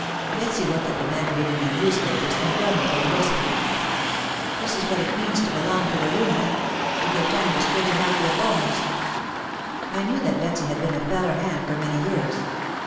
Betsy looked at the men reading their newspapers and grumbled in a whisper, "This is what it means to belong to a union. You get time to straighten out your bones." I knew that Betsy had been a feller hand for many years.